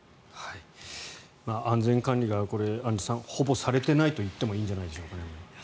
安全管理がアンジュさんほぼされていないと言ってもいいんじゃないですかね。